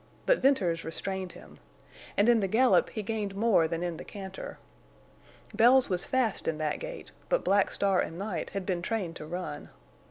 But Venters restrained him. And in the gallop he gained more than in the canter. Bells was fast in that gait, but Black Star and Night had been trained to run.